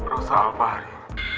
rosa al fahri